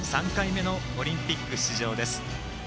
３回目のオリンピック出場です。